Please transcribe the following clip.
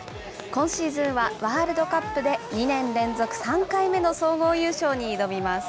今シーズンはワールドカップで２年連続３回目の総合優勝に挑みます。